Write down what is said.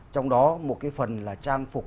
trong đó một cái phần là trang phục